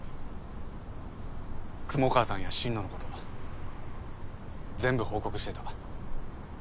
雲川さんや心野のこと全部報告してた。